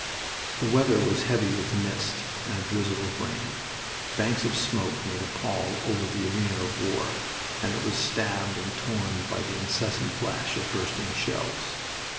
The weather was heavy with mist and a drizzle of rain. Banks of smoke made a pall over all the arena of war, and it was stabbed and torn by the incessant flash of bursting shells.